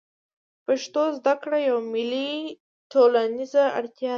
پښتو زده کړه یوه ملي او ټولنیزه اړتیا ده